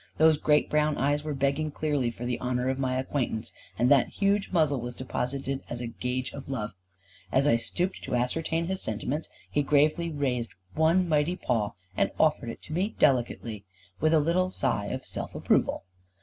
Those great brown eyes were begging clearly for the honour of my acquaintance, and that huge muzzle was deposited as a gage of love. As I stooped to ascertain his sentiments, he gravely raised one mighty paw and offered it to me delicately, with a little sigh of self approval.